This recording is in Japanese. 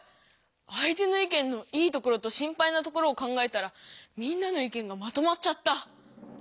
相手の意見の「いいところ」と「心配なところ」を考えたらみんなの意見がまとまっちゃった。